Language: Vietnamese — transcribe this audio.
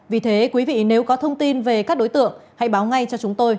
vì thế quý vị nếu có thông tin về các đối tượng hãy báo ngay cho chúng tôi